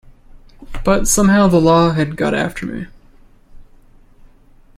But somehow the law had got after me.